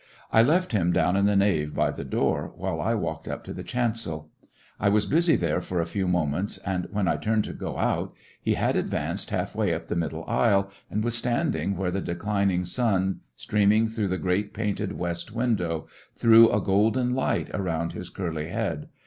I left him down in the nave by the door, while I walked up to the chancel. I was busied there for a few moments, and when I turned to go out, he had advanced half way up the middle aisle, and was standing where the declining sun, streaming through the great painted west window, threw a golden light around his curly head.